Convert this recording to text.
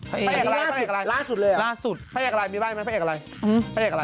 พระเอกอะไรล่าสุดเลยเหรอพระเอกอะไรมีบ้านมั้ยพระเอกอะไรพระเอกอะไร